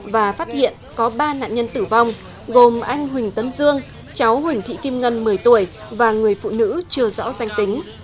và phát hiện có ba nạn nhân tử vong gồm anh huỳnh tấn dương cháu huỳnh thị kim ngân một mươi tuổi và người phụ nữ chưa rõ danh tính